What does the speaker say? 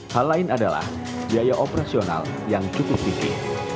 hal lain adalah biaya operasional yang cukup tinggi